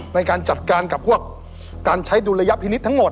ในการจัดการกับพวกการใช้ดุลยพินิษฐ์ทั้งหมด